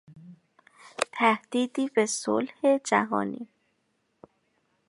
تهدیدی به صلح جهانی